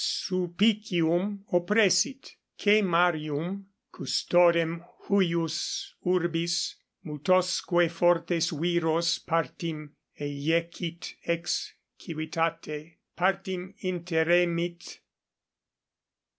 Sulpicium oppressit: C. Marium, custodem huius urbis, multosque fortes viros partim eiecit ex civitate, partim interemit.